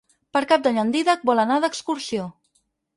Per Cap d'Any en Dídac vol anar d'excursió.